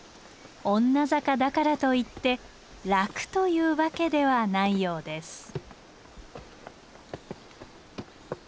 女坂だからといって楽というわけではないようです。